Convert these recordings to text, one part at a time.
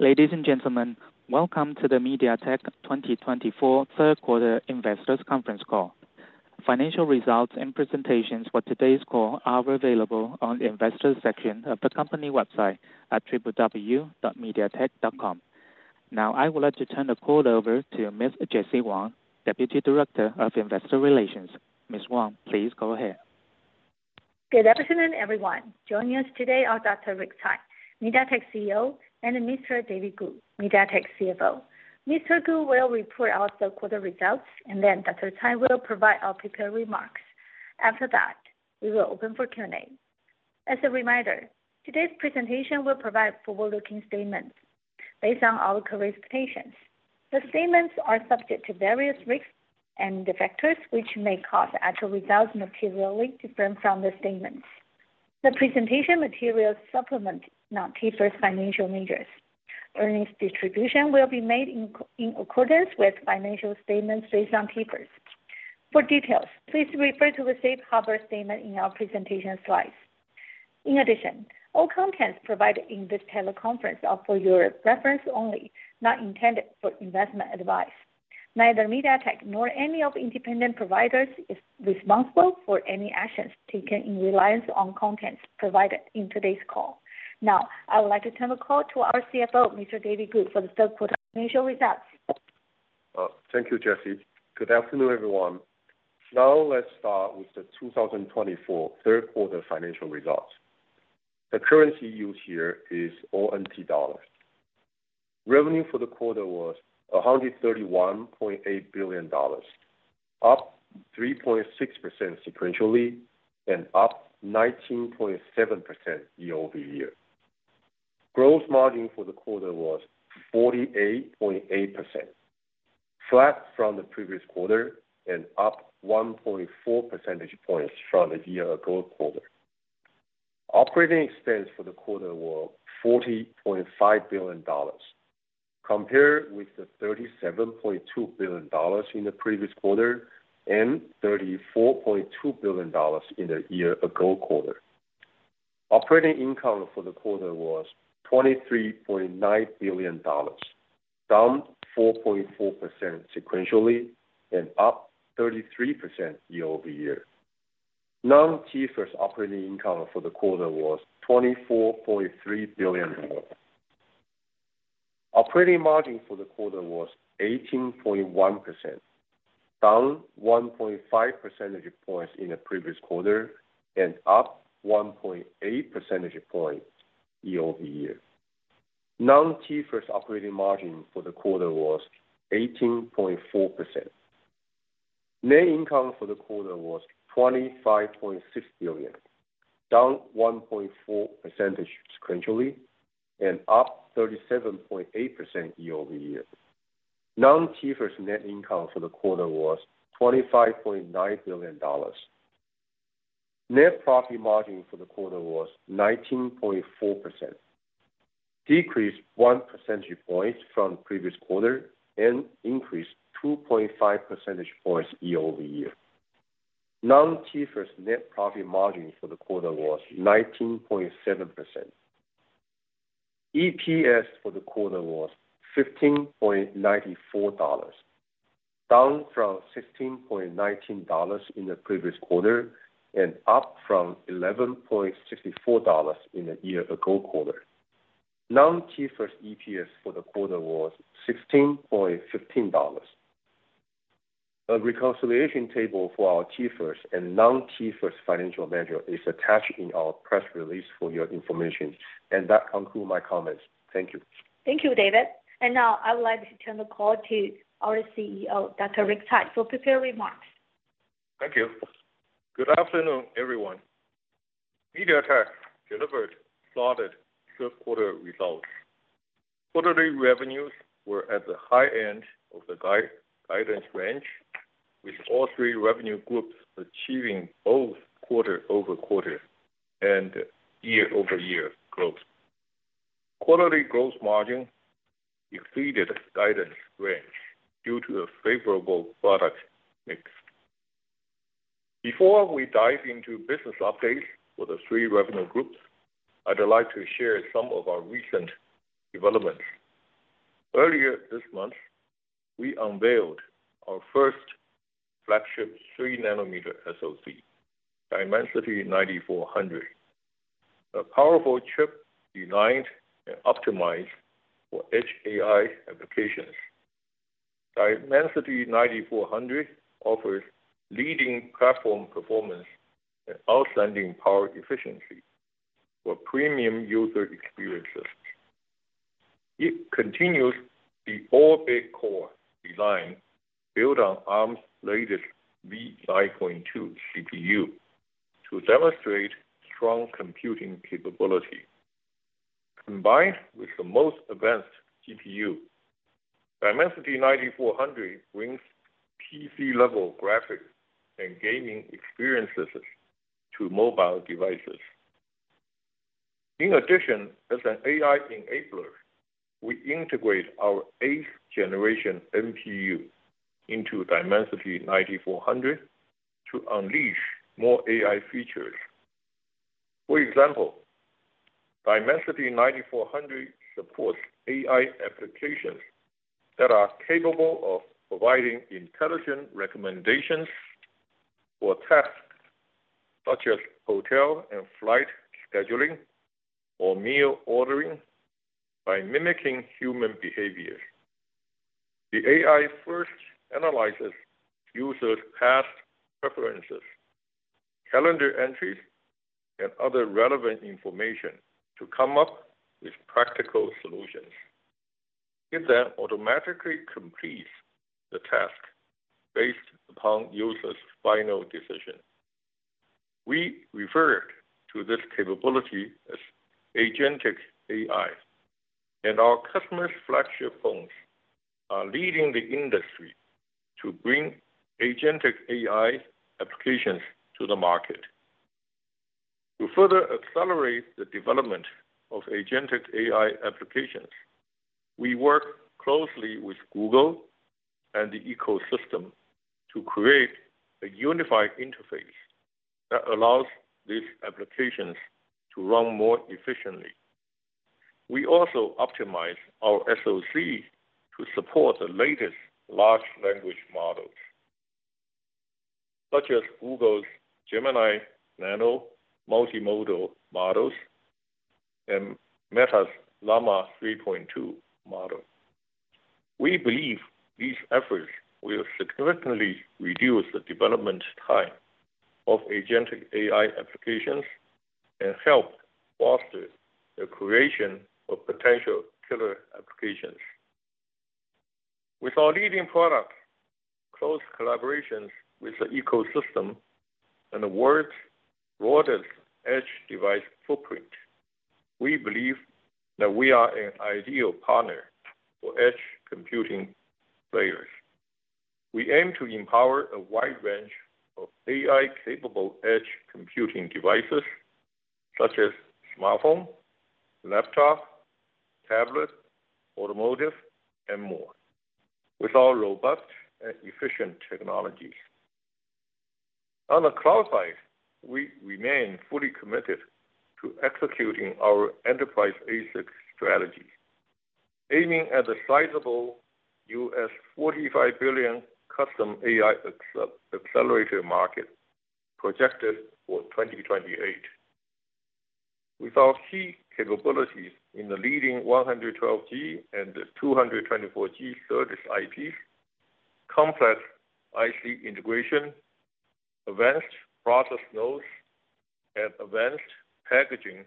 Ladies and gentlemen, welcome to the MediaTek 2024 Third Quarter Investors' Conference Call. Financial results and presentations for today's call are available on the Investors' Section of the company website at www.mediatek.com. Now, I would like to turn the call over to Ms. Jessie Wang, Deputy Director of Investor Relations. Ms. Wang, please go ahead. Good afternoon, everyone. Joining us today are Dr. Rick Tsai, MediaTek CEO, and Mr. David Ku, MediaTek CFO. Mr. Ku will report out the quarter results, and then Dr. Tsai will provide our prepared remarks. After that, we will open for Q&A. As a reminder, today's presentation will provide forward-looking statements based on our current expectations. The statements are subject to various risks and factors which may cause actual results materially to be different from the statements. The presentation material supplements non-T-IFRS financial measures. Earnings distribution will be made in accordance with financial statements based on T-IFRS. For details, please refer to the safe harbor statement in our presentation slides. In addition, all contents provided in this teleconference are for your reference only, not intended for investment advice. Neither MediaTek nor any of the independent providers is responsible for any actions taken in reliance on contents provided in today's call. Now, I would like to turn the call to our CFO, Mr. David Ku, for the third quarter financial results. Thank you, Jessie. Good afternoon, everyone. Now, let's start with the 2024 Third Quarter financial results. The currency used here is NT dollars. Revenue for the quarter was NT$131.8 billion, up 3.6% sequentially and up 19.7% year-over-year. Gross margin for the quarter was 48.8%, flat from the previous quarter and up 1.4 percentage points from the year-ago quarter. Operating expense for the quarter was NT$40.5 billion, compared with the NT$37.2 billion in the previous quarter and NT$34.2 billion in the year-ago quarter. Operating income for the quarter was NT$23.9 billion, down 4.4% sequentially and up 33% year-over-year. Non-T-IFRS operating income for the quarter was NT$24.3 billion. Operating margin for the quarter was 18.1%, down 1.5 percentage points in the previous quarter and up 1.8 percentage points year-over-year. Non-T-IFRS operating margin for the quarter was 18.4%. Net income for the quarter was NT$25.6 billion, down 1.4 percentage points sequentially and up 37.8% year-over-year. Non-T-IFRS net income for the quarter was NT$25.9 billion. Net profit margin for the quarter was 19.4%, decreased one percentage point from the previous quarter and increased 2.5 percentage points year-over-year. Non-T-IFRS net profit margin for the quarter was 19.7%. EPS for the quarter was NT$15.94, down from NT$16.19 in the previous quarter and up from NT$11.64 in the year-ago quarter. Non-T-IFRS EPS for the quarter was NT$16.15. A reconciliation table for our T-IFRS and non-T-IFRS financial measure is attached in our press release for your information. And that concludes my comments. Thank you. Thank you, David, and now I would like to turn the call to our CEO, Dr. Rick Tsai, for prepared remarks. Thank you. Good afternoon, everyone. MediaTek delivered flawless third quarter results. Quarterly revenues were at the high end of the guidance range, with all three revenue groups achieving both quarter-over-quarter and year-over-year growth. Quarterly gross margin exceeded guidance range due to a favorable product mix. Before we dive into business updates for the three revenue groups, I'd like to share some of our recent developments. Earlier this month, we unveiled our first flagship 3 nm SoC, Dimensity 9400, a powerful chip designed and optimized for edge AI applications. Dimensity 9400 offers leading platform performance and outstanding power efficiency for premium user experiences. It continues the all-big core design built on Arm's latest v9.2 CPU to demonstrate strong computing capability. Combined with the most advanced GPU, Dimensity 9400 brings PC-level graphics and gaming experiences to mobile devices. In addition, as an AI enabler, we integrate our 8th generation NPU into Dimensity 9400 to unleash more AI features. For example, Dimensity 9400 supports AI applications that are capable of providing intelligent recommendations for tasks such as hotel and flight scheduling or meal ordering by mimicking human behaviors. The AI first analyzes users' past preferences, calendar entries, and other relevant information to come up with practical solutions. It then automatically completes the task based upon users' final decision. We refer to this capability as Agentic AI, and our customers' flagship phones are leading the industry to bring Agentic AI applications to the market. To further accelerate the development of Agentic AI applications, we work closely with Google and the ecosystem to create a unified interface that allows these applications to run more efficiently. We also optimize our SoC to support the latest large language models, such as Google's Gemini Nano multimodal models and Meta's Llama 3.2 model. We believe these efforts will significantly reduce the development time of Agentic AI applications and help foster the creation of potential killer applications. With our leading product, close collaborations with the ecosystem and the world's broadest edge device footprint, we believe that we are an ideal partner for edge computing players. We aim to empower a wide range of AI-capable edge computing devices, such as smartphones, laptops, tablets, automotive, and more, with our robust and efficient technologies. On the cloud side, we remain fully committed to executing our enterprise ASIC strategy, aiming at a sizable $45 billion custom AI accelerator market projected for 2028. With our key capabilities in the leading 112G and 224G SerDes, complex IC integration, advanced process nodes, and advanced packaging,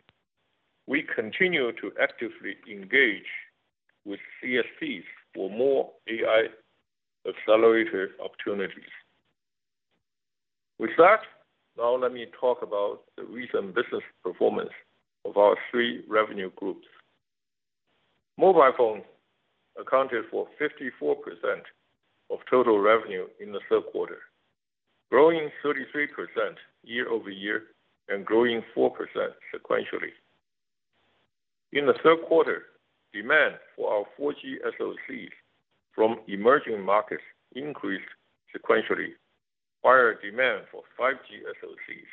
we continue to actively engage with CSPs for more AI accelerator opportunities. With that, now let me talk about the recent business performance of our three revenue groups. Mobile Phones accounted for 54% of total revenue in the third quarter, growing 33% year-over-year and growing 4% sequentially. In the third quarter, demand for our 4G SoCs from emerging markets increased sequentially, while demand for 5G SoCs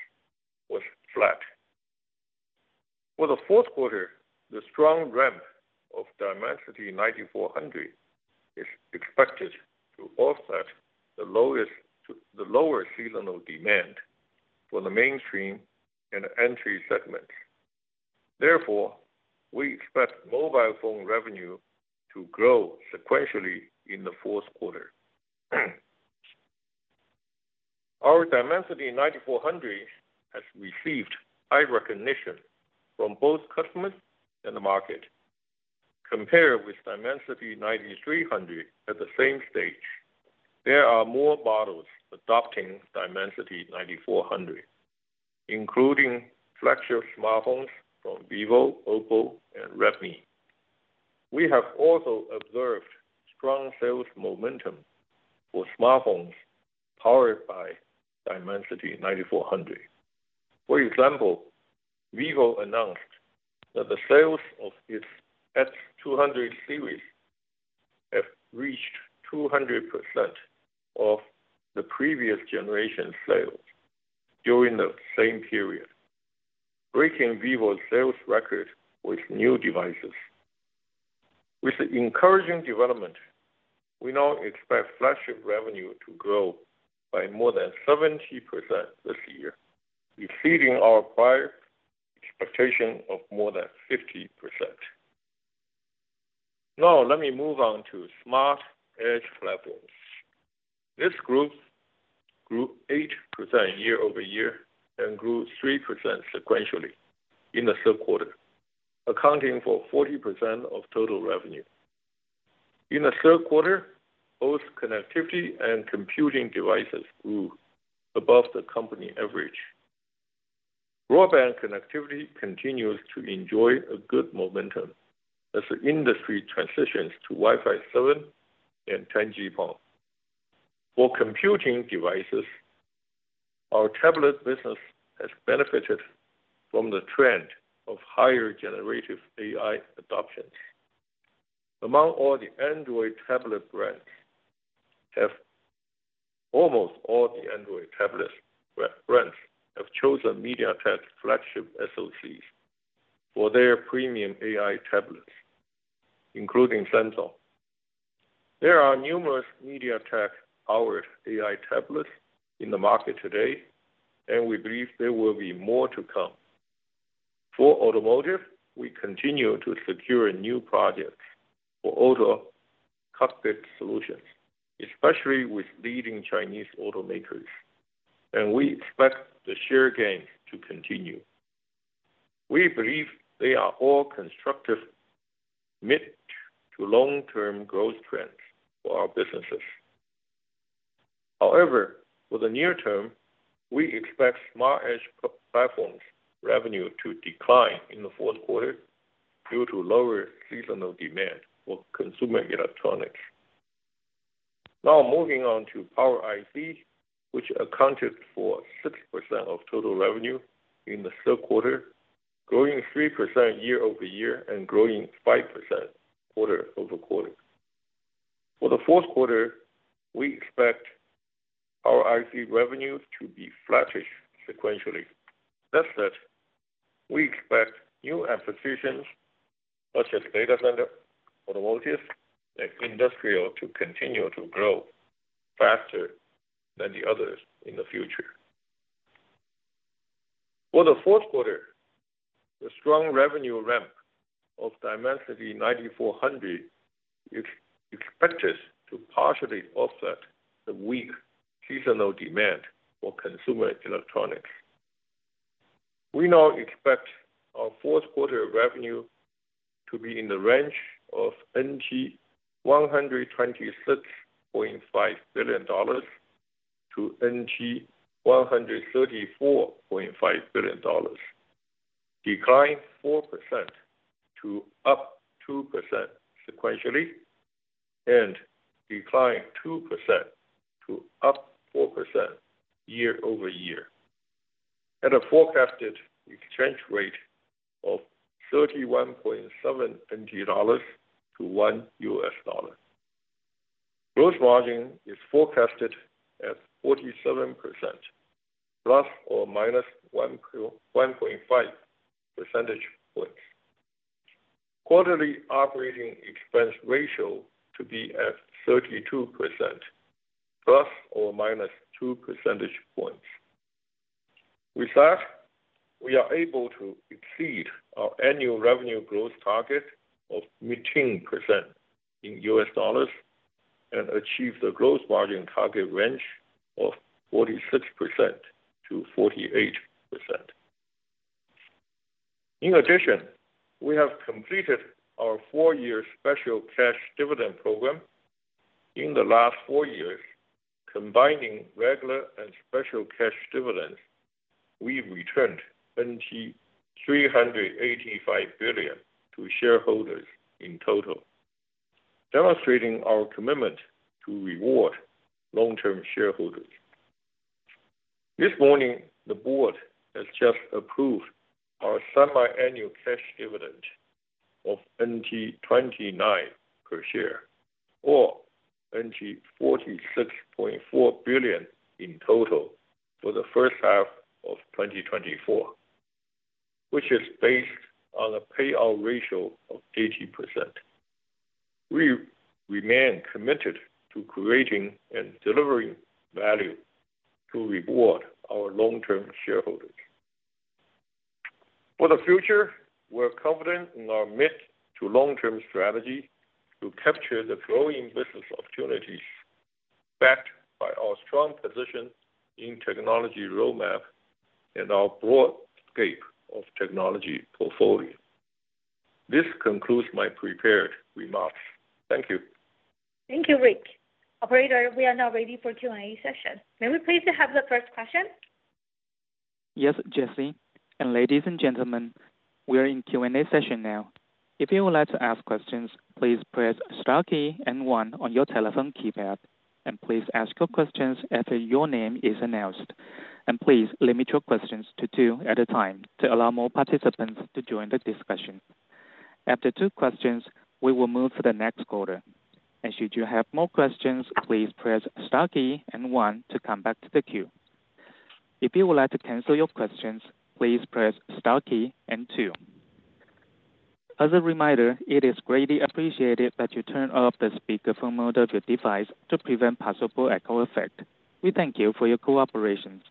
was flat. For the fourth quarter, the strong ramp of Dimensity 9400 is expected to offset the lower seasonal demand for the mainstream and entry segments. Therefore, we expect mobile phone revenue to grow sequentially in the fourth quarter. Our Dimensity 9400 has received high recognition from both customers and the market. Compared with Dimensity 9300 at the same stage, there are more models adopting Dimensity 9400, including flagship Smartphones from Vivo, Oppo, and Redmi. We have also observed strong sales momentum for Smartphones powered by Dimensity 9400. For example, Vivo announced that the sales of its X200 series have reached 200% of the previous generation sales during the same period, breaking Vivo's sales record with new devices. With the encouraging development, we now expect flagship revenue to grow by more than 70% this year, exceeding our prior expectation of more than 50%. Now, let me move on to Smart Edge platforms. This group grew 8% year-over-year and grew 3% sequentially in the third quarter, accounting for 40% of total revenue. In the third quarter, both connectivity and computing devices grew above the company average. Broadband connectivity continues to enjoy a good momentum as the industry transitions to Wi-Fi 7 and 10G-PON. For computing devices, our tablet business has benefited from the trend of higher generative AI adoptions. Among all the Android tablet brands, almost all the Android tablet brands have chosen MediaTek flagship SoCs for their premium AI tablets, including Samsung. There are numerous MediaTek-powered AI tablets in the market today, and we believe there will be more to come. For Automotive, we continue to secure new projects for auto cockpit solutions, especially with leading Chinese automakers, and we expect the share gain to continue. We believe they are all constructive mid to long-term growth trends for our businesses. However, for the near term, we expect Smart Edge platforms' revenue to decline in the fourth quarter due to lower seasonal demand for consumer electronics. Now, moving on to Power IC, which accounted for 6% of total revenue in the third quarter, growing 3% year-over-year and growing 5% quarter-over-quarter. For the fourth quarter, we expect Power IC revenue to be flattish sequentially. That said, we expect new acquisitions such as data center, automotive, and industrial to continue to grow faster than the others in the future. For the fourth quarter, the strong revenue ramp of Dimensity 9400 expected to partially offset the weak seasonal demand for consumer electronics. We now expect our fourth quarter revenue to be in the range of NT$126.5 billion to NT$134.5 billion, declining 4% to up 2% sequentially, and declining 2% to up 4% year-over-year, at a forecasted exchange rate of NT$31.7 to $1 USD. Gross margin is forecasted at 47%, ±1.5 percentage points. Quarterly operating expense ratio to be at 32%, ±2 percentage points. With that, we are able to exceed our annual revenue growth target of 18% in USD and achieve the gross margin target range of 46%-48%. In addition, we have completed our four-year special cash dividend program. In the last four years, combining regular and special cash dividends, we returned NT$385 billion to shareholders in total, demonstrating our commitment to reward long-term shareholders. This morning, the board has just approved our semiannual cash dividend of NT$29 per share, or NT$46.4 billion in total for the first half of 2024, which is based on a payout ratio of 80%. We remain committed to creating and delivering value to reward our long-term shareholders. For the future, we're confident in our mid to long-term strategy to capture the growing business opportunities backed by our strong position in technology roadmap and our broad scope of technology portfolio. This concludes my prepared remarks. Thank you. Thank you, Rick. Operator, we are now ready for Q&A session. May we please have the first question? Yes, Jessie. And ladies and gentlemen, we are in Q&A session now. If you would like to ask questions, please press star key and one on your telephone keypad, and please ask your questions after your name is announced. And please limit your questions to two at a time to allow more participants to join the discussion. After two questions, we will move to the next caller. And should you have more questions, please press star key and one to come back to the queue. If you would like to cancel your questions, please press star key and two. As a reminder, it is greatly appreciated that you turn off the speakerphone mode of your device to prevent possible echo effect. We thank you for your cooperation.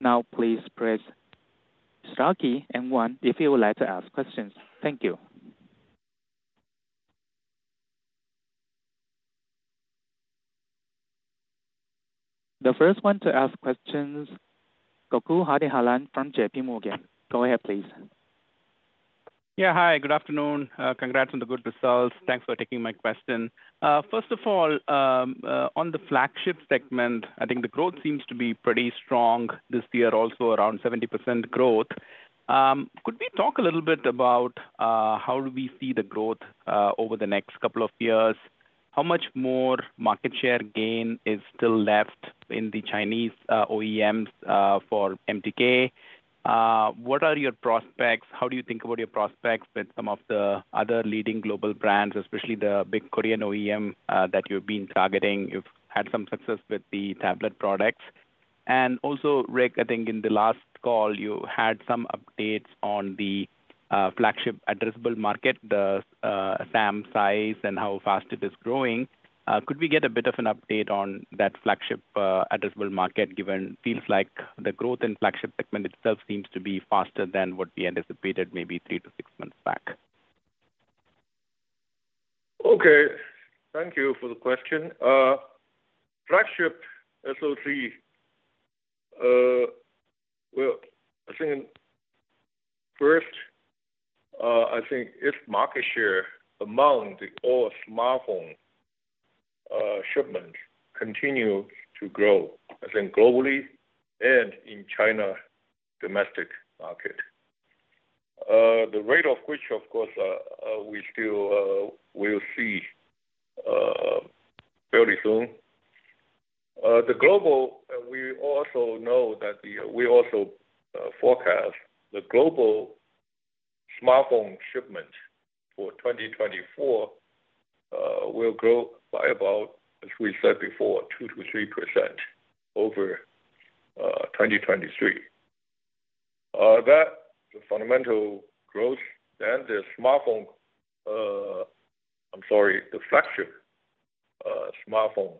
Now, please press star key and one if you would like to ask questions. Thank you. The first one to ask questions, Gokul Hariharan from JPMorgan. Go ahead, please. Yeah, hi. Good afternoon. Congrats on the good results. Thanks for taking my question. First of all, on the flagship segment, I think the growth seems to be pretty strong this year, also around 70% growth. Could we talk a little bit about how do we see the growth over the next couple of years? How much more market share gain is still left in the Chinese OEMs for MTK? What are your prospects? How do you think about your prospects with some of the other leading global brands, especially the big Korean OEM that you have been targeting? You've had some success with the tablet products. And also, Rick, I think in the last call, you had some updates on the flagship addressable market, the SAM size and how fast it is growing. Could we get a bit of an update on that flagship addressable market, given it seems like the growth in flagship segment itself seems to be faster than what we anticipated maybe three to six months back? Okay. Thank you for the question. Flagship SoC. Well, I think first, I think its market share among all smartphone shipments continues to grow, I think, globally and in China's domestic market. The rate at which, of course, we still will see fairly soon. Globally, we also know that we forecast the global Smartphone shipments for 2024 will grow by about, as we said before, 2%-3% over 2023. That's the fundamental growth. Then the Smartphone, I'm sorry, the flagship Smartphone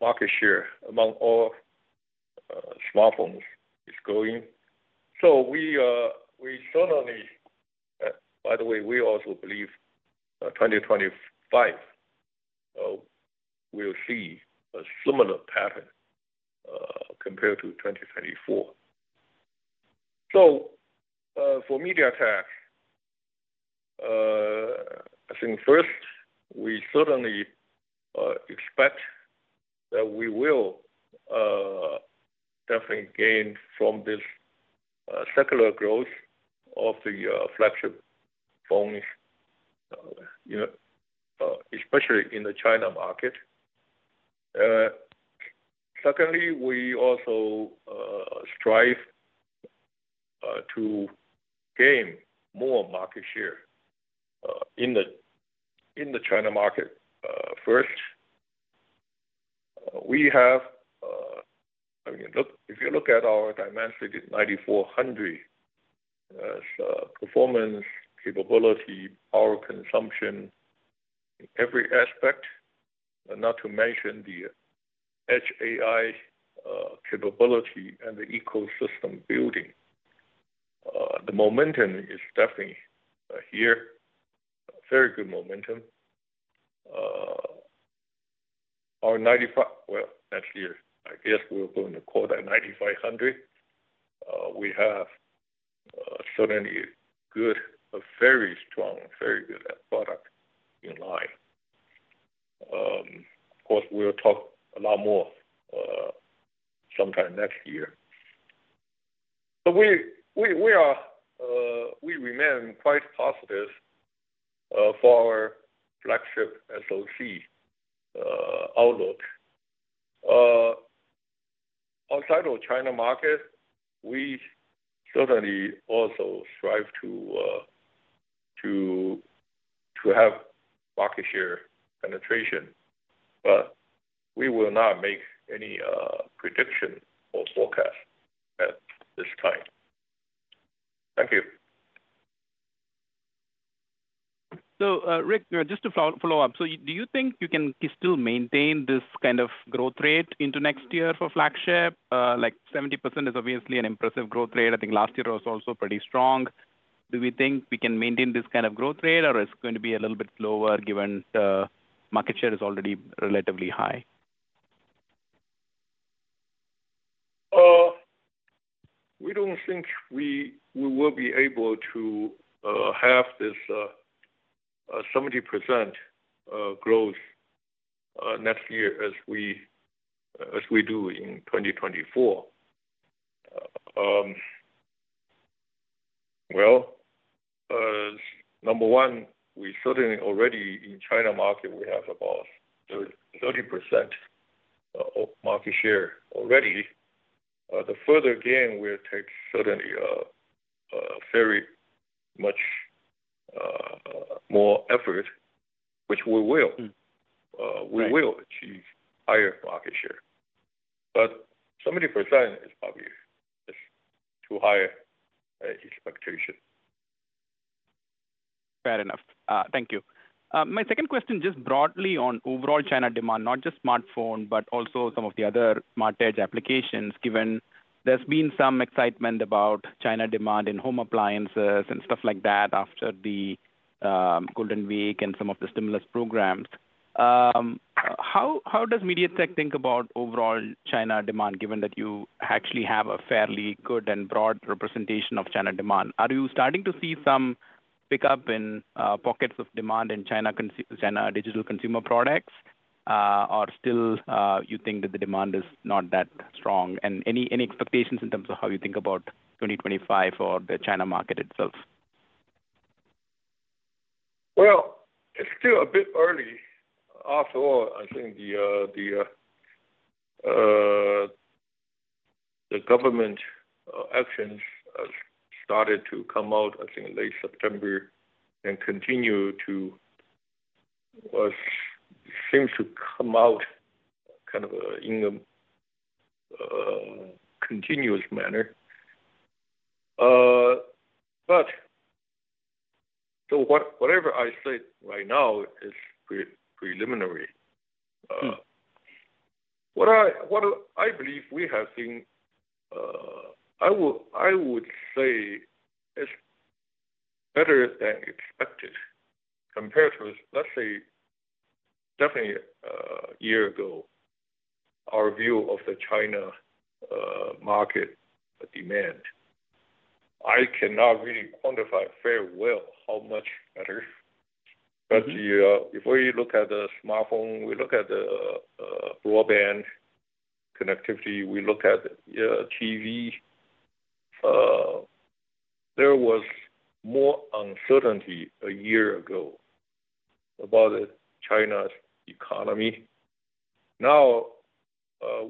market share among all Smartphones is growing. So we certainly, by the way, we also believe 2025 will see a similar pattern compared to 2024. So for MediaTek, I think first, we certainly expect that we will definitely gain from this secular growth of the flagship phones, especially in the China market. Secondly, we also strive to gain more market share in the China market. First, we have, if you look at our Dimensity 9400, performance, capability, power consumption in every aspect, not to mention the edge AI capability and the ecosystem building. The momentum is definitely here, very good momentum. Our 9400. Well, next year, I guess we're going to go to 9500. We have certainly good, very strong, very good product in line. Of course, we'll talk a lot more sometime next year. But we remain quite positive for our flagship SoC outlook. Outside of China market, we certainly also strive to have market share penetration, but we will not make any prediction or forecast at this time. Thank you. So, Rick, just to follow up, so do you think you can still maintain this kind of growth rate into next year for flagship? Like 70% is obviously an impressive growth rate. I think last year was also pretty strong. Do we think we can maintain this kind of growth rate, or is it going to be a little bit slower given the market share is already relatively high? We don't think we will be able to have this 70% growth next year as we do in 2024, well, number one, we certainly already in China market, we have about 30% of market share already. The further gain will take certainly very much more effort, which we will. We will achieve higher market share. But 70% is probably too high expectation. Fair enough. Thank you. My second question just broadly on overall China demand, not just Smartphone, but also some of the other Smart Edge applications, given there's been some excitement about China demand in home appliances and stuff like that after the Golden Week and some of the stimulus programs. How does MediaTek think about overall China demand, given that you actually have a fairly good and broad representation of China demand? Are you starting to see some pickup in pockets of demand in China digital consumer products, or still you think that the demand is not that strong? And any expectations in terms of how you think about 2025 for the China market itself? It's still a bit early. After all, I think the government actions started to come out, I think, late September and continue to seem to come out kind of in a continuous manner. But so whatever I said right now is preliminary. What I believe we have seen, I would say, is better than expected compared to, let's say, definitely a year ago, our view of the China market demand. I cannot really quantify very well how much better. But if we look at the Smartphone, we look at the broadband connectivity, we look at the TV, there was more uncertainty a year ago about China's economy. Now,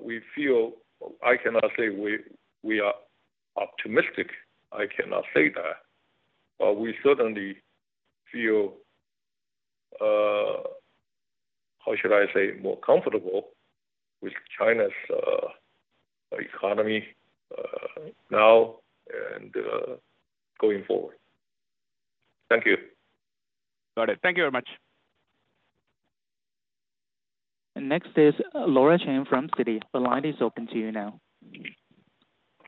we feel, I cannot say we are optimistic. I cannot say that. But we certainly feel, how should I say, more comfortable with China's economy now and going forward. Thank you. Got it. Thank you very much. And next is Laura Chen from Citi. The line is open to you now.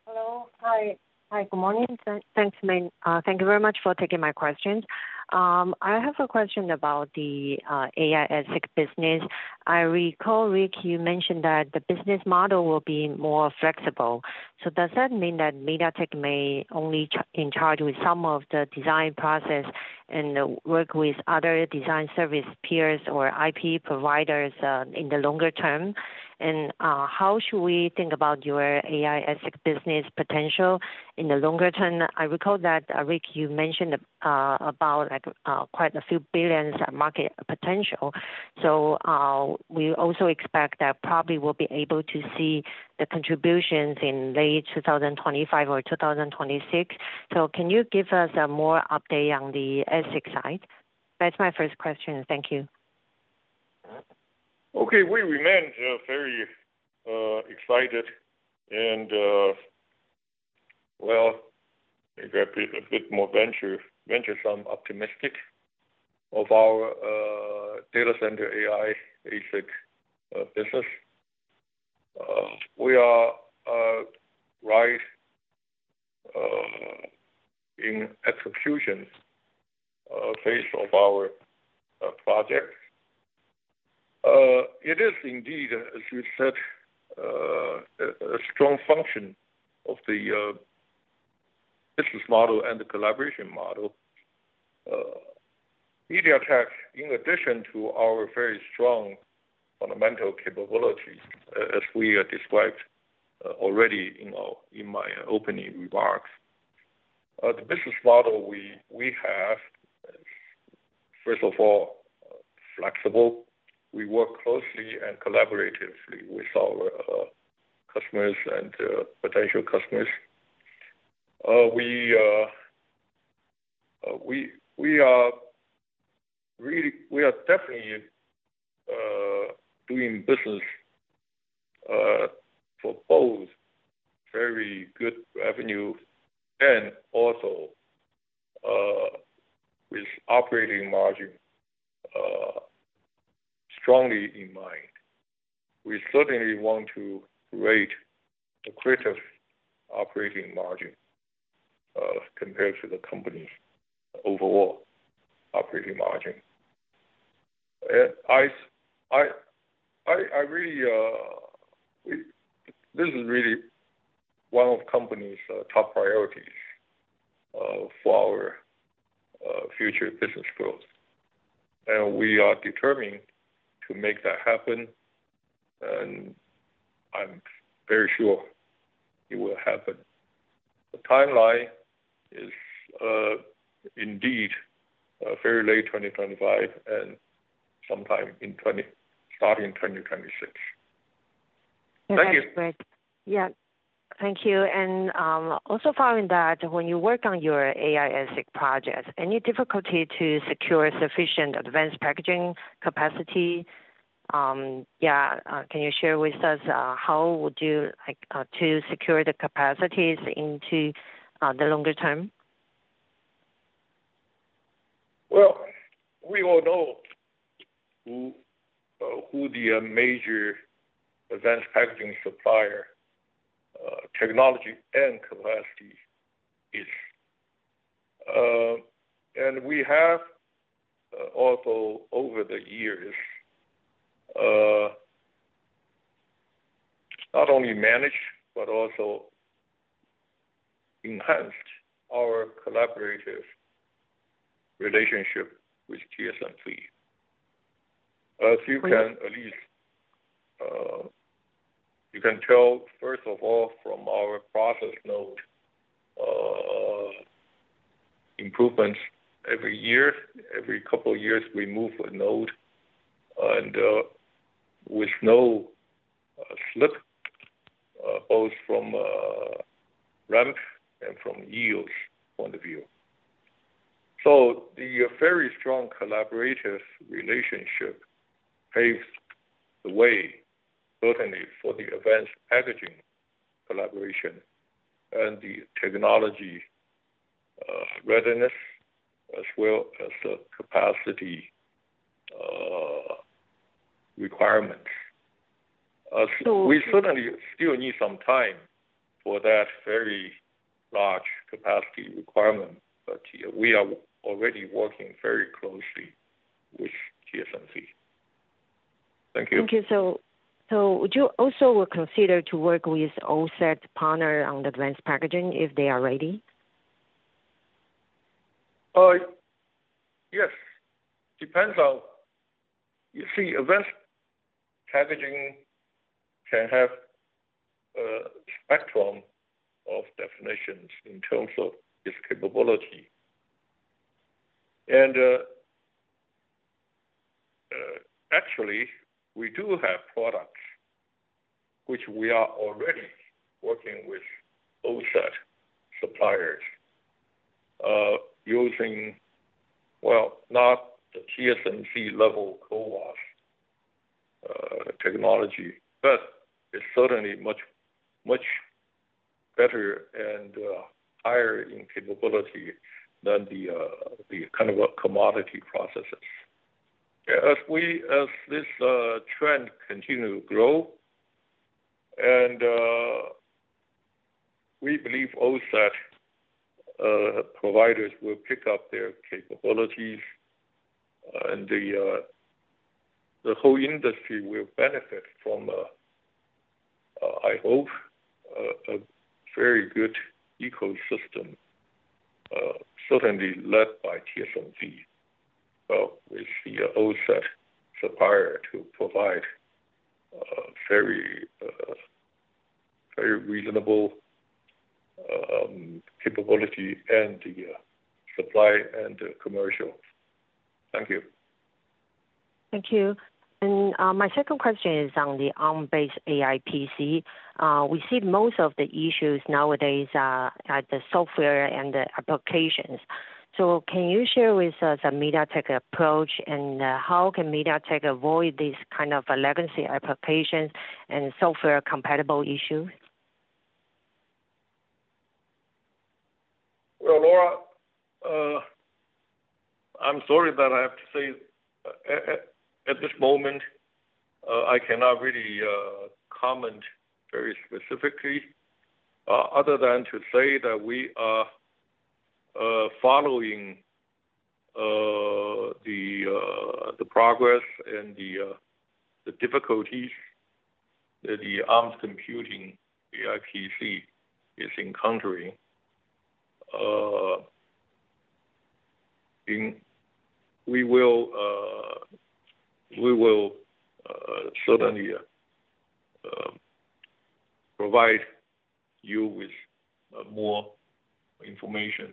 Hello. Hi. Hi. Good morning. Thank you very much for taking my questions. I have a question about the AI ASIC business. I recall, Rick, you mentioned that the business model will be more flexible. So does that mean that MediaTek may only be in charge with some of the design process and work with other design service peers or IP providers in the longer term? How should we think about your AI edge business potential in the longer term? I recall that, Rick, you mentioned about quite a few billions of market potential. We also expect that probably we'll be able to see the contributions in late 2025 or 2026. Can you give us a more update on the edge side? That's my first question. Thank you. Okay. We remain very excited and, well, maybe a bit more venturesome optimistic of our data center AI edge business. We are right in execution phase of our project. It is indeed, as you said, a strong function of the business model and the collaboration model. MediaTek, in addition to our very strong fundamental capability, as we described already in my opening remarks, the business model we have, first of all, flexible. We work closely and collaboratively with our customers and potential customers. We are definitely doing business for both very good revenue and also with operating margin strongly in mind. We certainly want to have a greater operating margin compared to the company's overall operating margin. This is really one of the company's top priorities for our future business growth. And we are determined to make that happen. And I'm very sure it will happen. The timeline is indeed very late 2025 and sometime starting 2026. Thank you. Thank you, Rick. Yeah. Thank you. And also following that, when you work on your AI edge projects, any difficulty to secure sufficient advanced packaging capacity? Yeah. Can you share with us how would you like to secure the capacities into the longer term? Well, we all know who the major advanced packaging supplier, technology, and capacity is. We have also over the years not only managed, but also enhanced our collaborative relationship with TSMC. As you can at least, you can tell, first of all, from our process node improvements every year. Every couple of years, we move a node with no slip, both from ramp and from EO's point of view. The very strong collaborative relationship paves the way, certainly, for the advanced packaging collaboration and the technology readiness, as well as the capacity requirements. We certainly still need some time for that very large capacity requirement, but we are already working very closely with TSMC. Thank you. Thank you. Would you also consider to work with OSAT partner on advanced packaging if they are ready? Yes. Depends on, you see, advanced packaging can have a spectrum of definitions in terms of its capability. Actually, we do have products which we are already working with OSAT suppliers using, well, not the TSMC level CoWoS technology, but it's certainly much better and higher in capability than the kind of commodity processes. As this trend continues to grow, and we believe OSAT providers will pick up their capabilities, and the whole industry will benefit from, I hope, a very good ecosystem, certainly led by TSMC, which the OSAT supplier to provide very reasonable capability and the supply and commercial. Thank you. Thank you. My second question is on the on-device AI PC. We see most of the issues nowadays are at the software and the applications. So can you share with us a MediaTek approach, and how can MediaTek avoid these kind of legacy applications and software-compatible issues? Well, Laura, I'm sorry that I have to say at this moment, I cannot really comment very specifically other than to say that we are following the progress and the difficulties that the Arm computing AI PC is encountering. We will certainly provide you with more information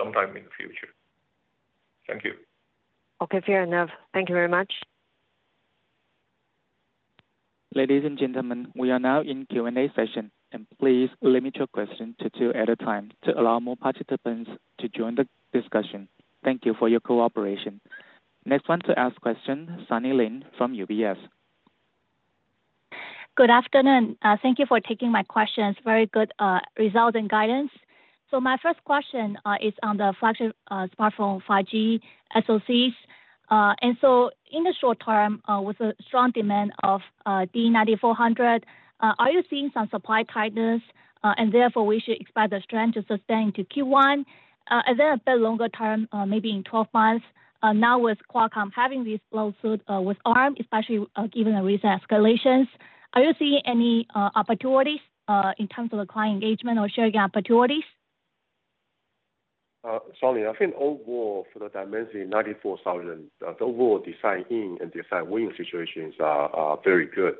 sometime in the future. Thank you. Okay. Fair enough. Thank you very much. Ladies and gentlemen, we are now in Q&A session, and please limit your question to two at a time to allow more participants to join the discussion. Thank you for your cooperation. Next one to ask question, Sunny Lin from UBS. Good afternoon. Thank you for taking my questions. Very good results and guidance. So my first question is on the flagship Smartphone 5G SoCs. In the short term, with the strong demand of D9400, are you seeing some supply tightness, and therefore we should expect the strength to sustain to Q1? A bit longer term, maybe in 12 months, now with Qualcomm having this lawsuit with Arm, especially given the recent escalations, are you seeing any opportunities in terms of the client engagement or sharing opportunities? Sunny, I think overall for the Dimensity 9400, the overall design-in and design-win situations are very good.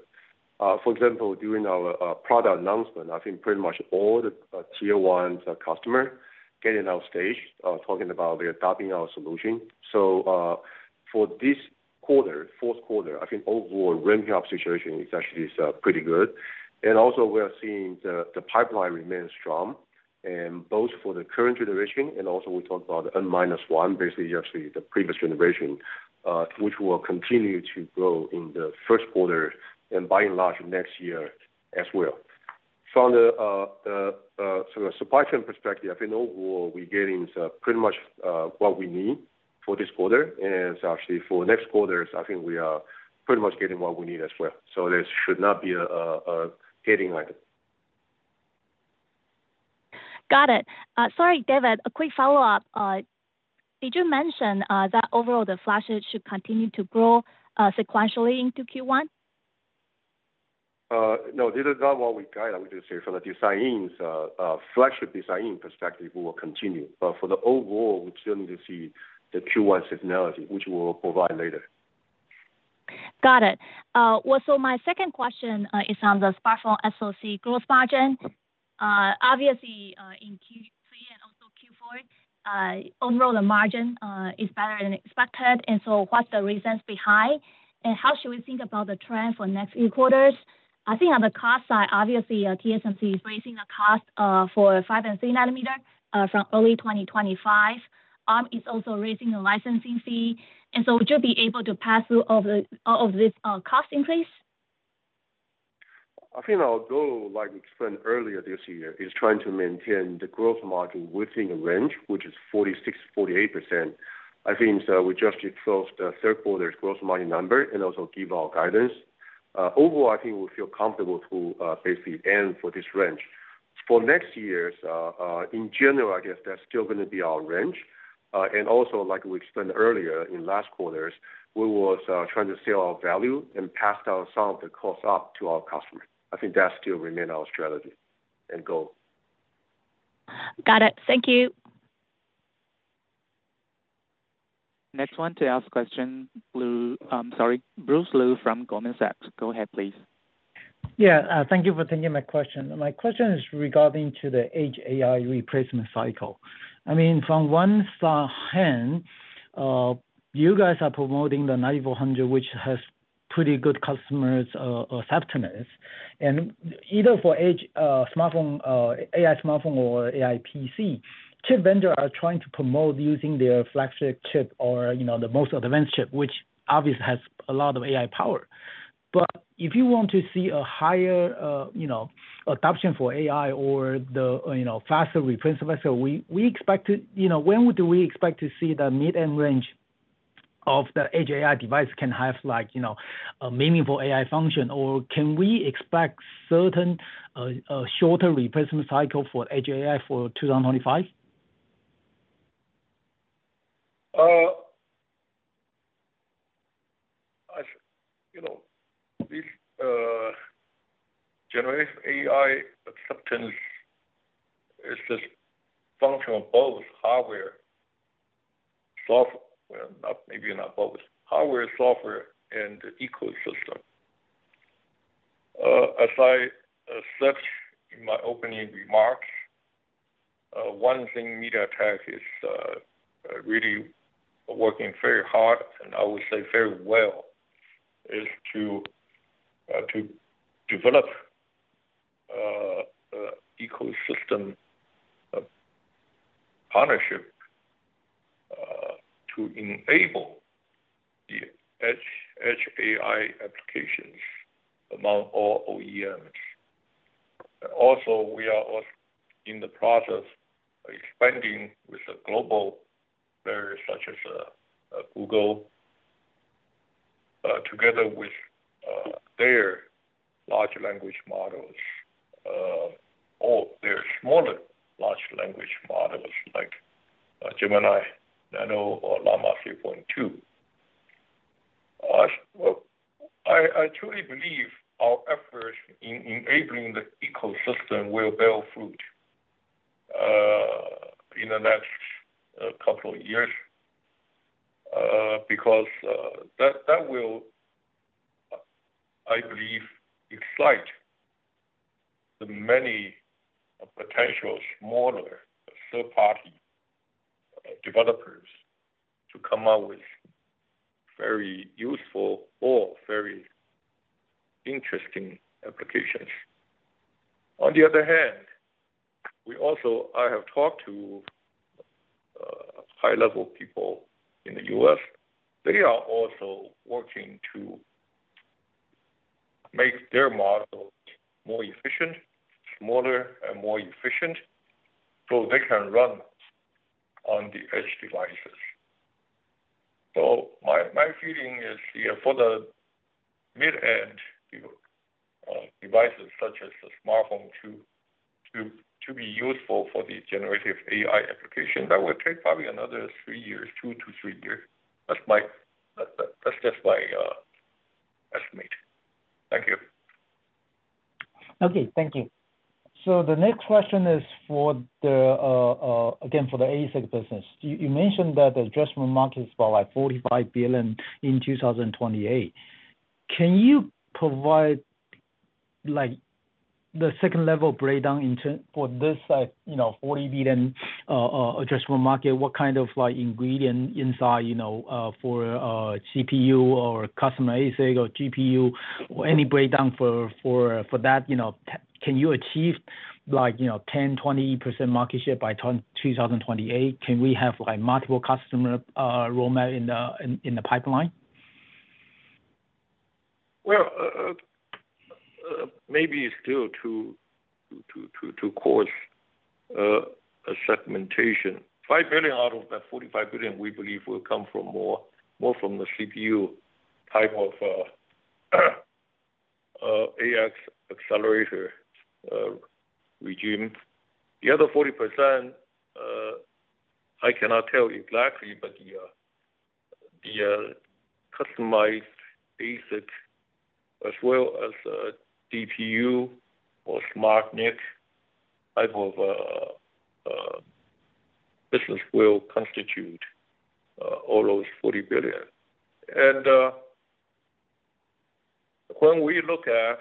For example, during our product announcement, I think pretty much all the tier one customers getting showcased, talking about they're adopting our solution. So for this quarter, fourth quarter, I think overall ramping up situation is actually pretty good. And also we are seeing the pipeline remain strong. And both for the current generation and also we talk about the N minus one, basically actually the previous generation, which will continue to grow in the first quarter and by and large next year as well. From the supply chain perspective, I think overall we're getting pretty much what we need for this quarter. And actually for next quarters, I think we are pretty much getting what we need as well. So there should not be a headwind. Got it. Sorry, David, a quick follow-up. Did you mention that overall the flagship should continue to grow sequentially into Q1? No, this is not what we got. We just say from the design flagship design perspective, we will continue. But for the overall, we certainly see the Q1 seasonality, which we will provide later. Got it. Well, so my second question is on the Smartphone SoC growth margin. Obviously, in Q3 and also Q4, overall the margin is better than expected. And so what's the reasons behind? And how should we think about the trend for next few quarters? I think on the cost side, obviously, TSMC is raising the cost for 5 nm and 3 nm from early 2025. Arm is also raising the licensing fee. And so would you be able to pass through all of this cost increase? I think our goal, like we explained earlier this year, is trying to maintain the gross margin within a range, which is 46%-48%. I think we just closed the third quarter's gross margin number and also give our guidance. Overall, I think we feel comfortable to basically end for this range. For next year's, in general, I guess that's still going to be our range. Also, like we explained earlier in last quarter, we were trying to sell our value and pass down some of the costs up to our customers. I think that still remains our strategy and goal. Got it. Thank you. Next one to ask question, sorry, Bruce Lu from Goldman Sachs. Go ahead, please. Yeah. Thank you for taking my question. My question is regarding to the Edge AI replacement cycle. I mean, on one hand, you guys are promoting the 9400, which has pretty good customer acceptance. And either for edge Smartphone, AI Smartphone, or AI PC, chip vendors are trying to promote using their flagship chip or the most advanced chip, which obviously has a lot of AI power. But if you want to see a higher adoption for AI or the faster replacement cycle, we expect to when do we expect to see the mid-end range of the edge AI device can have a meaningful AI function, or can we expect certain shorter replacement cycle for edge AI for 2025? Generative AI acceptance is just a function of both hardware, software, maybe not both, hardware, software, and the ecosystem. As I said in my opening remarks, one thing MediaTek is really working very hard, and I would say very well, is to develop ecosystem partnership to enable the edge AI applications among all OEMs. Also, we are in the process of expanding with a global player such as Google together with their large language models or their smaller large language models like Gemini Nano or Llama 3.2. I truly believe our efforts in enabling the ecosystem will bear fruit in the next couple of years because that will, I believe, excite the many potential smaller third-party developers to come up with very useful or very interesting applications. On the other hand, I have talked to high-level people in the U.S. They are also working to make their models more efficient, smaller and more efficient so they can run on the edge devices. So my feeling is for the mid-end devices such as the Smartphone to be useful for the generative AI application, that will take probably another three years, two to three years. That's just my estimate. Thank you. Okay. Thank you. So the next question is for the ASIC business again. You mentioned that the addressable market is about like $45 billion in 2028. Can you provide the second-level breakdown for this $40 billion addressable market? What kind of ingredient inside for CPU or custom ASIC or GPU or any breakdown for that? Can you achieve 10%, 20% market share by 2028? Can we have multiple customer rollout in the pipeline? Maybe still too coarse a segmentation. $5 billion out of that $45 billion, we believe, will come from more from the CPU type of AI accelerator regime. The other 40%, I cannot tell exactly, but the customized ASIC as well as GPU or SmartNIC type of business will constitute all those 40 billion. And when we look at,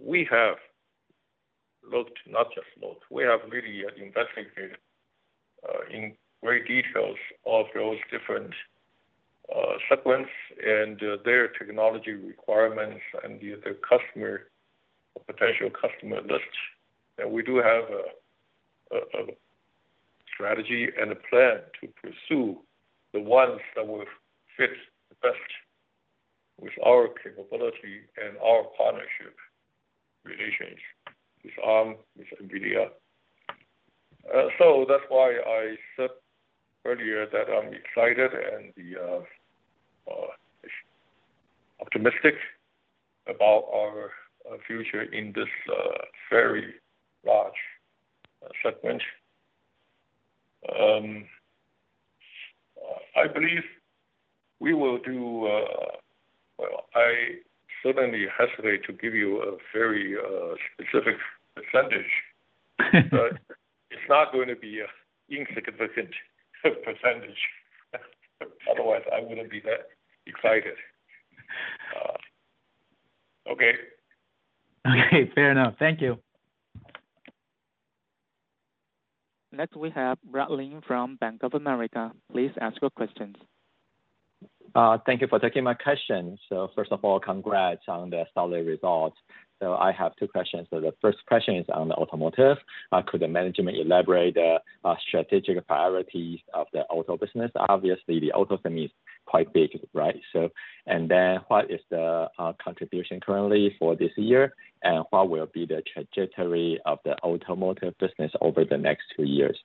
we have looked not just looked, we have really investigated in great detail those different segments and their technology requirements and the potential customer lists. We do have a strategy and a plan to pursue the ones that will fit the best with our capability and our partnership relations with Arm, with NVIDIA. So that's why I said earlier that I'm excited and optimistic about our future in this very large segment. I believe we will do well. I certainly hesitate to give you a very specific percentage, but it's not going to be an insignificant percentage. Otherwise, I wouldn't be that excited. Okay. Okay. Fair enough. Thank you. Next, we have Brad Lin from Bank of America. Please ask your questions. Thank you for taking my question. So first of all, congrats on the stellar results. So I have two questions. So the first question is on the Automotive. Could the management elaborate the strategic priorities of the auto business? Obviously, the auto semi is quite big, right? And then what is the contribution currently for this year? And what will be the trajectory of the Automotive business over the next two years?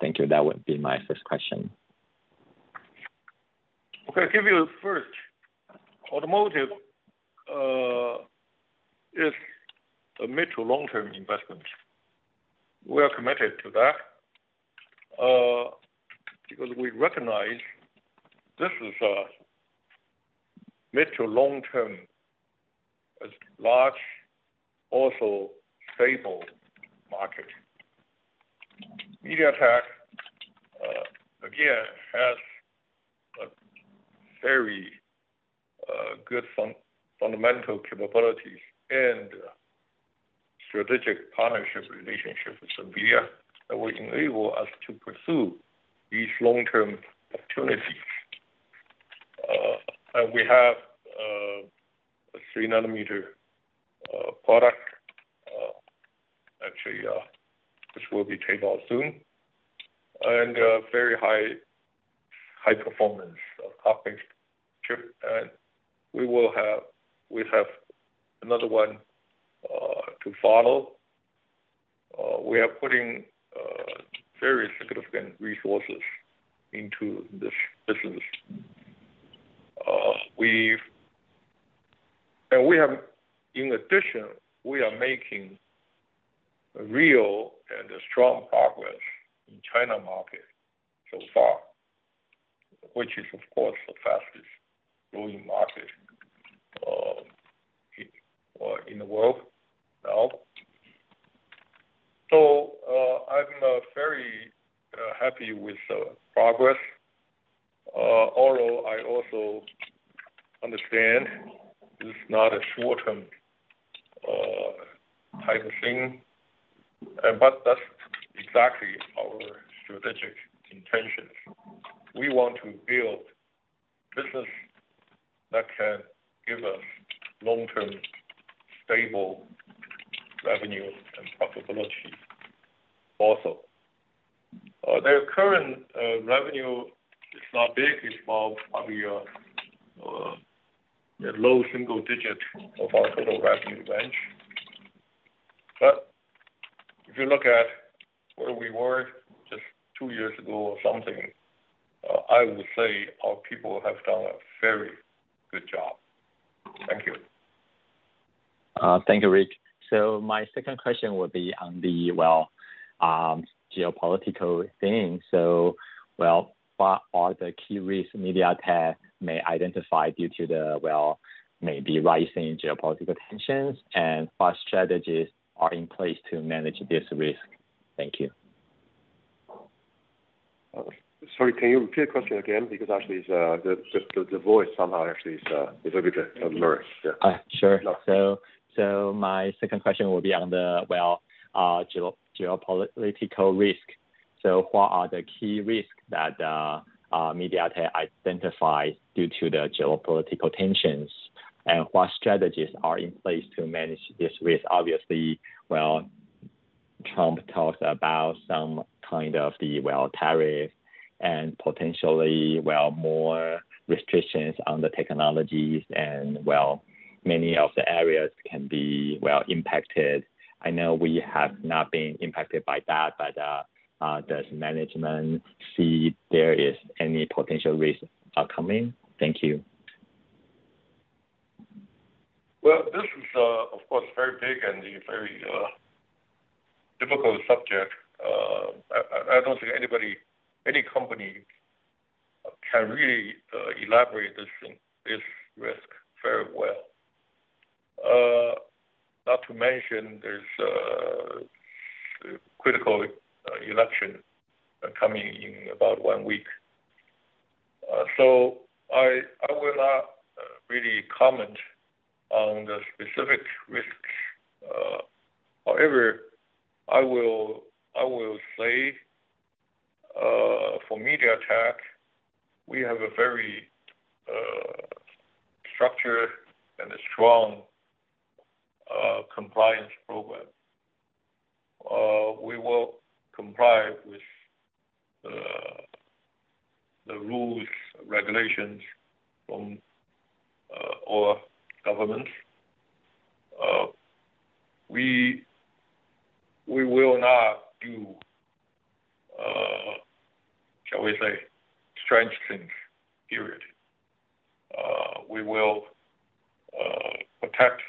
Thank you. That would be my first question. Okay. I'll give you the first. Automotive is a mid to long-term investment. We are committed to that because we recognize this is a mid to long-term, large, also stable market. MediaTek, again, has very good fundamental capabilities and strategic partnership relationships with NVIDIA that will enable us to pursue these long-term opportunities. And we have a 3 nm product, actually, which will be taken out soon. And very high performance of cockpit chip. And we have another one to follow. We are putting very significant resources into this business. And in addition, we are making real and strong progress in China market so far, which is, of course, the fastest growing market in the world now. So I'm very happy with the progress. Although I also understand this is not a short-term type of thing, but that's exactly our strategic intentions. We want to build business that can give us long-term stable revenue and profitability also. Their current revenue is not big. It's probably a low single digit of our total revenue range. But if you look at where we were just two years ago or something, I would say our people have done a very good job. Thank you. Thank you, Rick. So my second question would be on the, well, geopolitical thing. So, well, what are the key risks MediaTek may identify due to the, well, maybe rising geopolitical tensions? And what strategies are in place to manage this risk? Thank you. Sorry, can you repeat the question again? Because actually, the voice somehow actually is a bit blurry. Sure. So my second question will be on the, well, geopolitical risk. So what are the key risks that MediaTek identifies due to the geopolitical tensions? And what strategies are in place to manage this risk? Obviously, well, Trump talks about some kind of the, well, tariffs and potentially, well, more restrictions on the technologies. And, well, many of the areas can be, well, impacted. I know we have not been impacted by that, but does management see there is any potential risks coming? Thank you. Well, this is, of course, very big and very difficult subject. I don't think anybody, any company can really elaborate this risk very well. Not to mention, there's a critical election coming in about one week. So I will not really comment on the specific risks. However, I will say for MediaTek, we have a very structured and strong compliance program. We will comply with the rules, regulations from all governments. We will not do, shall we say, strange things, period. We will protect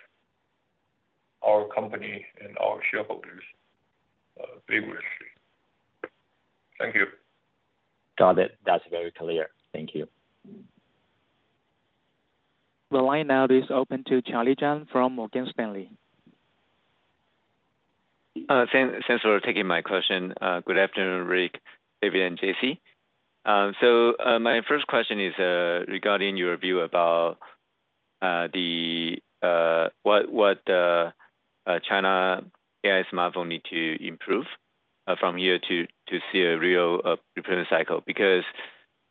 our company and our shareholders vigorously. Thank you. Got it. That's very clear. Thank you. The line now is open to Charlie Chan from Morgan Stanley. Thanks for taking my question. Good afternoon, Rick, David, and JC. So my first question is regarding your view about what the China AI Smartphone needs to improve from here to see a real recurring cycle. Because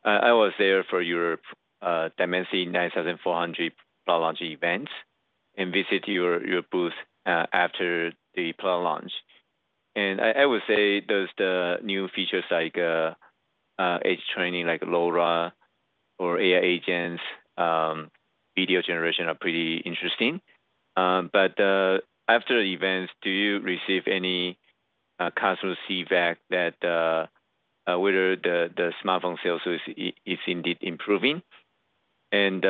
I was there for your Dimensity 9400 product launch event and visited your booth after the product launch. And I would say there's the new features like edge training, like LoRa or AI agents, video generation are pretty interesting. But after the events, do you receive any customer feedback that whether the Smartphone sales is indeed improving? And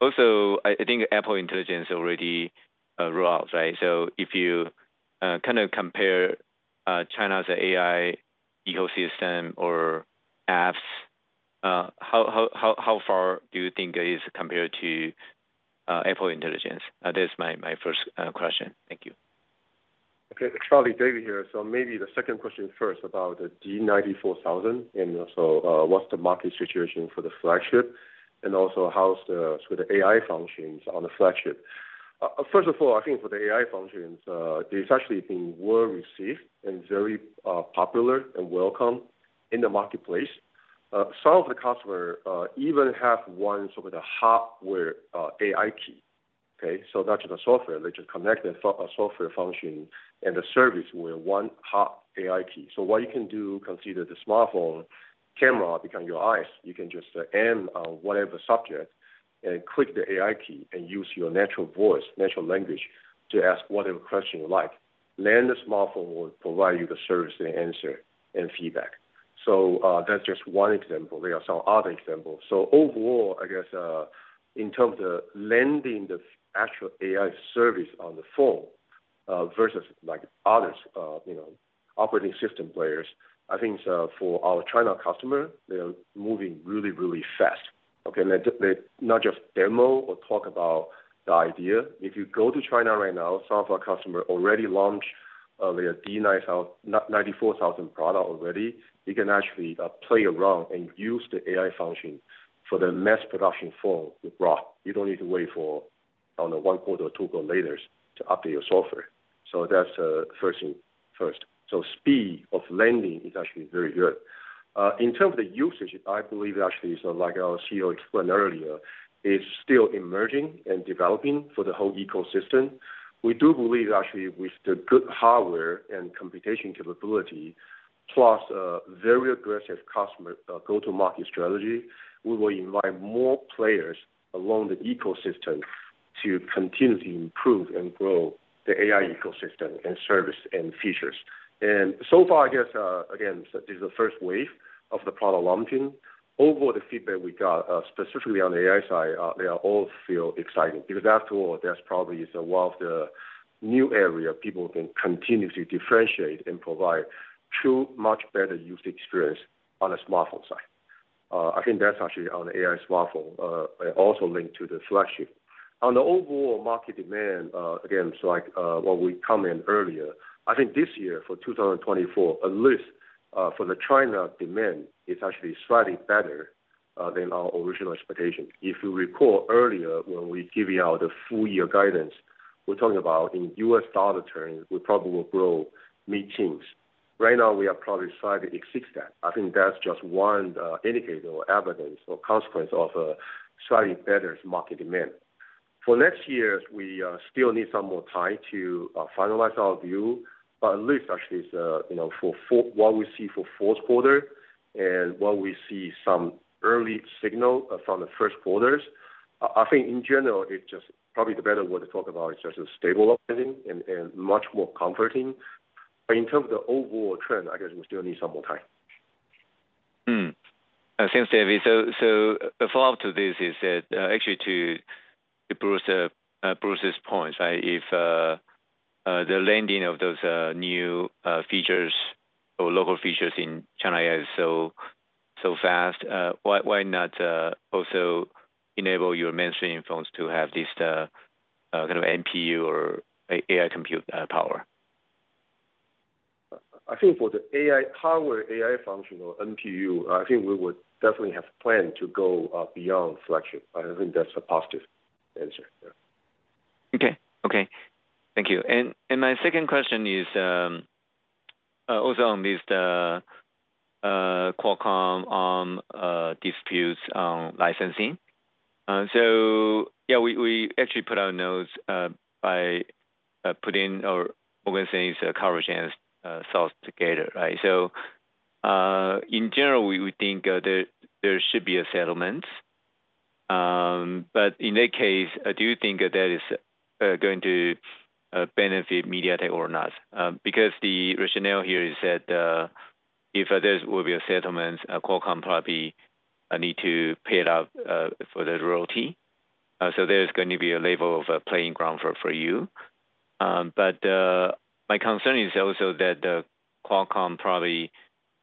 also, I think Apple Intelligence already rolled out, right? So if you kind of compare China's AI ecosystem or apps, how far do you think it is compared to Apple Intelligence? That is my first question. Thank you. Okay. Charlie, David here. So maybe the second question first about the Dimensity 9400 and also what's the market situation for the flagship and also how's the AI functions on the flagship. First of all, I think for the AI functions, it's actually been well received and very popular and welcome in the marketplace. Some of the customers even have one sort of the hardware AI key. Okay? So not just a software, they just connect a software function and the service with one hot AI key. So what you can do, consider the Smartphone camera becomes your eyes. You can just aim on whatever subject and click the AI key and use your natural voice, natural language to ask whatever question you like. Then the Smartphone will provide you the service and answer and feedback. So that's just one example. There are some other examples. So overall, I guess in terms of landing the actual AI service on the phone versus other operating system players, I think for our China customers, they're moving really, really fast. Okay? Not just demo or talk about the idea. If you go to China right now, some of our customers already launched their Dimensity 9400 product already. You can actually play around and use the AI function for the mass production phone you brought. You don't need to wait for one quarter or two quarters later to update your software. So that's first thing first. So speed of landing is actually very good. In terms of the usage, I believe actually like our CEO explained earlier, it's still emerging and developing for the whole ecosystem. We do believe actually with the good hardware and computation capability, plus a very aggressive customer go-to-market strategy, we will invite more players along the ecosystem to continuously improve and grow the AI ecosystem and service and features. And so far, I guess, again, this is the first wave of the product launching. Overall, the feedback we got specifically on the AI side, they all feel excited. Because after all, that's probably one of the new areas people can continuously differentiate and provide a much better user experience on the Smartphone side. I think that's actually on the AI Smartphone and also linked to the flagship. On the overall market demand, again, like what we commented earlier, I think this year for 2024, at least for the China demand, it's actually slightly better than our original expectation. If you recall earlier when we were giving out the full-year guidance, we're talking about in U.S. dollar terms, we probably will grow mid-teens. Right now, we are probably slightly exceeding that. I think that's just one indicator or evidence or consequence of a slightly better market demand. For next year, we still need some more time to finalize our view, but at least actually for what we see for fourth quarter and what we see some early signal from the first quarters. I think in general, it's just probably the better word to talk about is just a stabilizing and much more comforting. But in terms of the overall trend, I guess we still need some more time. Thanks, David. So a follow-up to this is actually to Bruce's point, right? If the landing of those new features or local features in China is so fast, why not also enable your mainstream phones to have this kind of NPU or AI compute power? I think for the AI power, AI functional NPU, I think we would definitely have planned to go beyond flagship. I think that's a positive answer. Okay. Okay. Thank you. And my second question is also on this Qualcomm dispute on licensing. So yeah, we actually put out our notes by putting our organization's coverage and thoughts together, right? So in general, we think there should be a settlement. But in that case, do you think that is going to benefit MediaTek or not? Because the rationale here is that if there will be a settlement, Qualcomm probably needs to pay it out for the royalty. So there's going to be a level playing field for you. But my concern is also that Qualcomm probably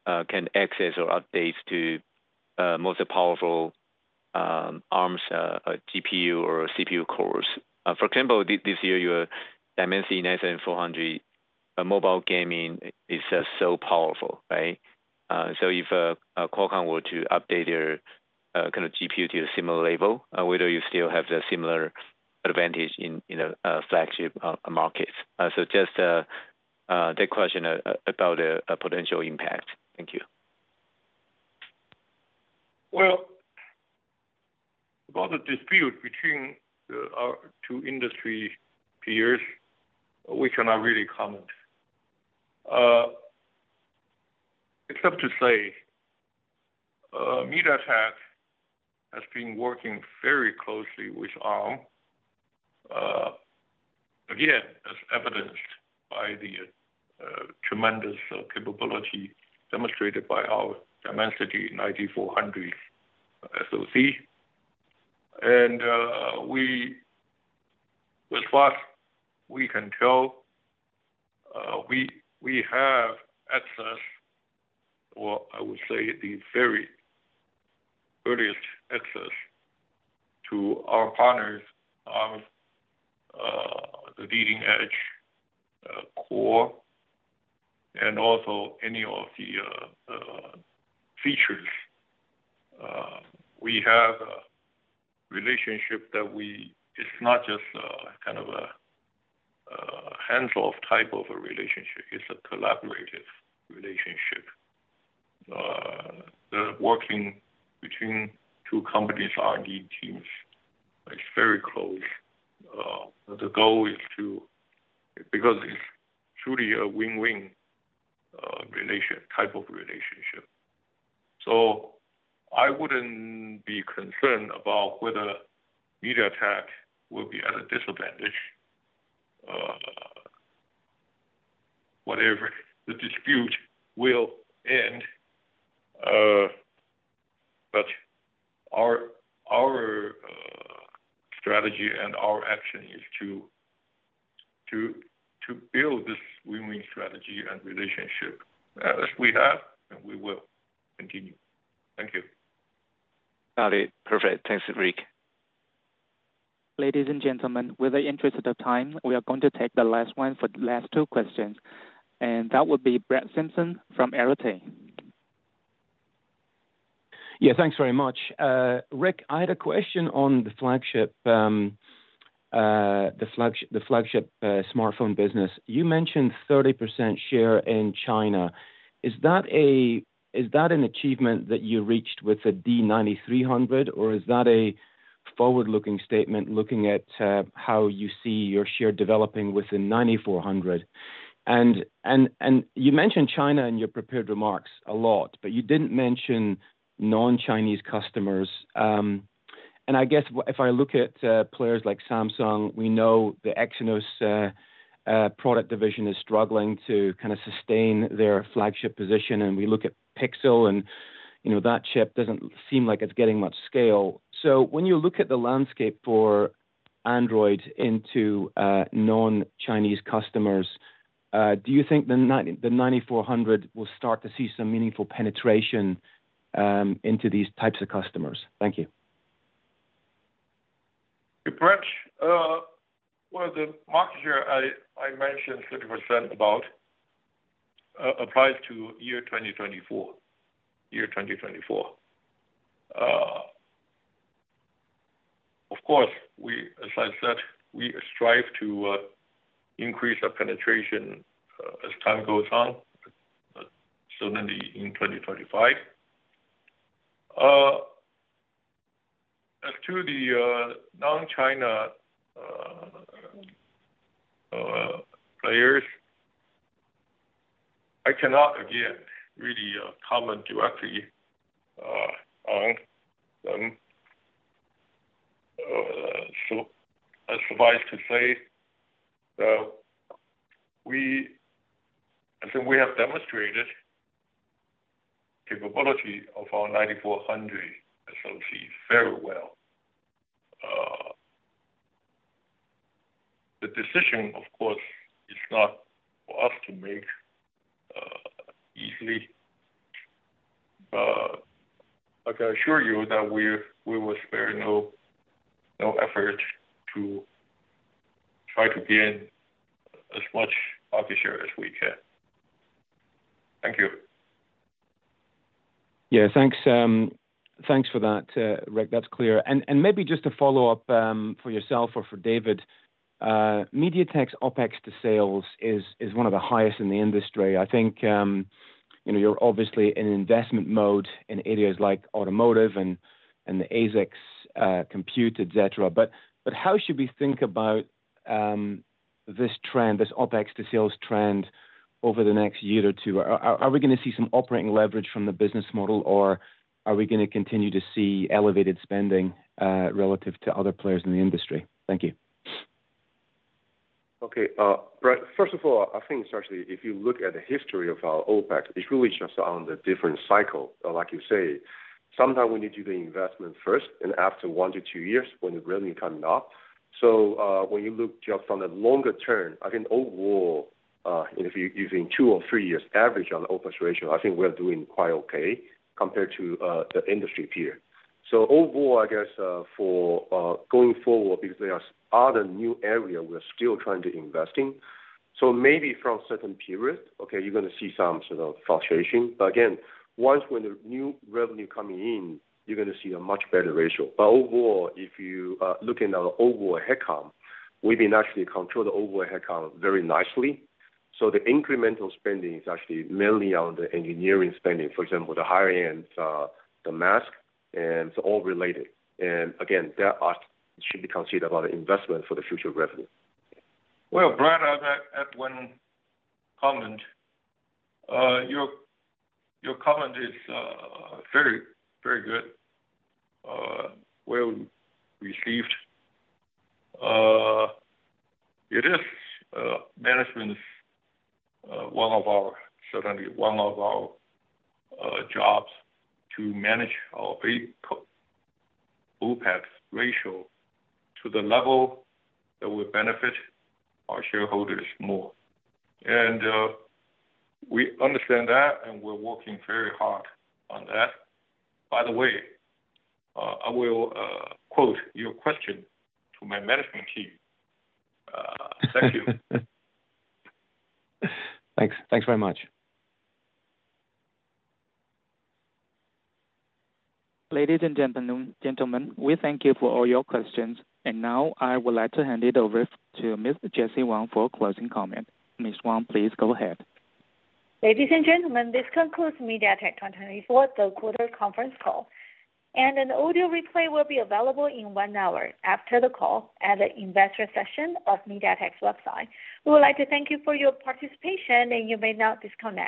can access or update to most powerful Arm GPU or CPU cores. For example, this year, your Dimensity 9400 mobile gaming is so powerful, right? So if Qualcomm were to update their kind of GPU to a similar level, whether you still have the similar advantage in the flagship markets. So just that question about a potential impact. Thank you. Well, about the dispute between our two industry peers, we cannot really comment. Except to say, MediaTek has been working very closely with Arm. Again, as evidenced by the tremendous capability demonstrated by our Dimensity 9400 SoC. And as far as we can tell, we have access, or I would say the very earliest access to our partners, the leading edge core, and also any of the features. We have a relationship that it's not just kind of a hands-off type of a relationship. It's a collaborative relationship. The working between two companies' R&D teams is very close. The goal is to because it's truly a win-win type of relationship. So I wouldn't be concerned about whether MediaTek will be at a disadvantage, whether the dispute will end. But our strategy and our action is to build this win-win strategy and relationship as we have, and we will continue. Thank you. Got it. Perfect. Thanks, Rick. Ladies and gentlemen, we're very interested in the time. We are going to take the last one for the last two questions. And that would be Brett Simpson from Arete. Yeah. Thanks very much. Rick, I had a question on the flagship Smartphone business. You mentioned 30% share in China. Is that an achievement that you reached with the D 9300, or is that a forward-looking statement looking at how you see your share developing with the 9400? And you mentioned China in your prepared remarks a lot, but you didn't mention non-Chinese customers. And I guess if I look at players like Samsung, we know the Exynos product division is struggling to kind of sustain their flagship position. And we look at Pixel, and that chip doesn't seem like it's getting much scale. So when you look at the landscape for Android into non-Chinese customers, do you think the 9400 will start to see some meaningful penetration into these types of customers? Thank you. Well, the market share I mentioned 30% about applies to year 2024. Of course, as I said, we strive to increase our penetration as time goes on, certainly in 2025. As to the non-China players, I cannot again really comment directly on them. Suffice to say, I think we have demonstrated the capability of our 9400 SoC very well. The decision, of course, is not for us to make easily. But I can assure you that we will spare no effort to try to gain as much market share as we can. Thank you. Yeah. Thanks for that, Rick. That's clear, and maybe just to follow up for yourself or for David, MediaTek's OpEx to sales is one of the highest in the industry. I think you're obviously in investment mode in areas like Automotive and the ASICs compute, etc. But how should we think about this trend, this OpEx to sales trend over the next year or two? Are we going to see some operating leverage from the business model, or are we going to continue to see elevated spending relative to other players in the industry? Thank you. Okay. First of all, I think actually if you look at the history of our OpEx, it's really just on the different cycles. Like you say, sometimes we need to do the investment first, and after one to two years, when the revenue comes up. So when you look just on the longer term, I think overall, if you're using two or three years average on the OpEx ratio, I think we're doing quite okay compared to the industry peer. So overall, I guess for going forward, because there are other new areas we're still trying to invest in. So maybe from a certain period, okay, you're going to see some sort of fluctuation. But again, once when the new revenue comes in, you're going to see a much better ratio. But overall, if you're looking at our overall headcount, we've been actually controlled overhead count very nicely. So the incremental spending is actually mainly on the engineering spending, for example, the higher-end, the mask, and it's all related. And again, that should be considered about the investment for the future revenue. Well, Brett, I'd like to add one comment. Your comment is very, very good. Well received. It is management's one of our, certainly one of our jobs to manage our OpEx ratio to the level that will benefit our shareholders more. And we understand that, and we're working very hard on that. By the way, I will quote your question to my management team. Thank you. Thanks. Thanks very much. Ladies and gentlemen, we thank you for all your questions. Now I would like to hand it over to Ms. Jessie Wang for closing comment. Ms. Wang, please go ahead. Ladies and gentlemen, this concludes MediaTek 2024 third-quarter conference call. An audio replay will be available in one hour after the call at the investor session of MediaTek's website. We would like to thank you for your participation, and you may now disconnect.